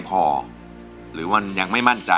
อินโทรเพลงที่๓มูลค่า๔๐๐๐๐บาทมาเลยครับ